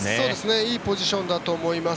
いいポジションだと思います。